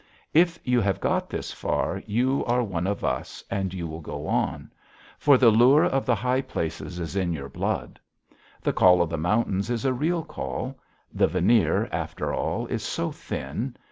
If you have got this far, you are one of us, and you will go on. For the lure of the high places is in your blood. The call of the mountains is a real call. The veneer, after all, is so thin.